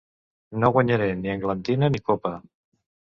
No guanyaré ni englantina ni copa.